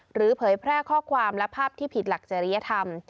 เผยแพร่ข้อความและภาพที่ผิดหลักจริยธรรม